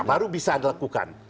baru bisa dilakukan